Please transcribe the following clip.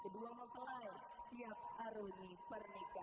kedua mempelai siap aruni pernikahan